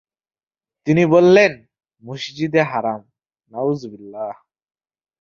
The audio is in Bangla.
তিনি বললেনঃ মসজিদে হারাম।